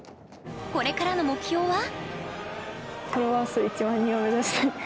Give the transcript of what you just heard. これからの目標は？